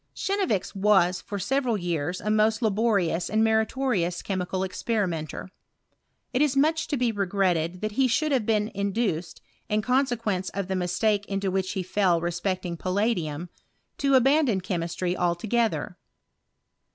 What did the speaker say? Chenevix was for several years a most laborious and meritorious chemical experimenter It is much to be regretted that he should have been induced, in consequence of the mistake into which he fell re specting palladium, to abandon chemistry altoge ther.